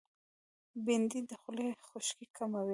بېنډۍ د خولې خشکي کموي